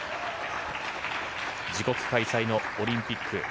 自国開催のオリンピック。